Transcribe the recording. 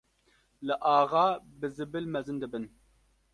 li axa bi zibil mezin dibin.